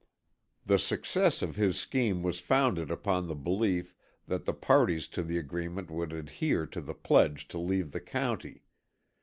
The success of his scheme was founded upon the belief that the parties to the agreement would adhere to the pledge to leave the county.